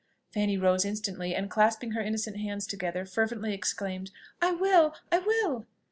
Fanny rose instantly, and clasping her innocent hands together, fervently exclaimed "I will! I will!"